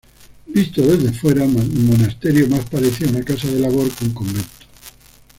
Visto desde fuera el monasterio más parecía una casa de labor que un convento.